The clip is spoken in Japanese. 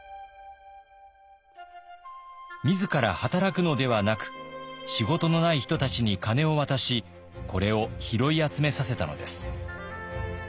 自ら働くのではなく仕事のない人たちに金を渡しこれを拾い集めさせたのです。